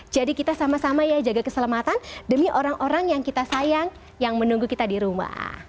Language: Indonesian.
jadi kita sama sama ya jaga keselamatan demi orang orang yang kita sayang yang menunggu kita di rumah